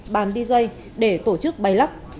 bàn đi dây để tổ chức bay lắp